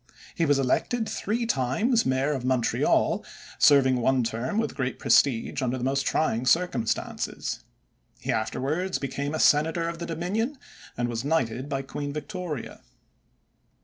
He was elected three times mayor of Montreal, serving one term with great prestige under the most trying circumstances. He afterwards became a senator of the Dominion and was knighted by Queen Victoria.